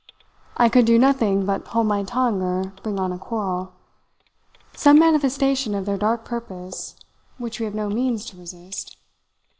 "I could do nothing but hold my tongue or bring on a quarrel some manifestation of their dark purpose, which we have no means to resist.